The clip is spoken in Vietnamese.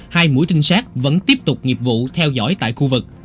hai mũi trinh sát vẫn tiếp tục nghiệp vụ theo dõi tại khu vực